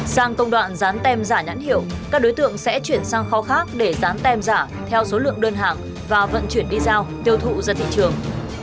sang công đoạn rán tem giả nhãn hiệu các đối tượng sẽ chuyển sang kho khác để dán tem giả theo số lượng đơn hàng và vận chuyển đi giao tiêu thụ ra thị trường